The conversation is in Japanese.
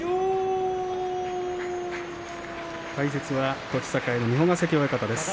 解説は栃栄の三保ヶ関親方です。